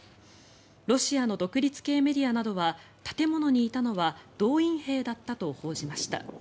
ロシアの独立系メディアなどは建物にいたのは動員兵だったと報じました。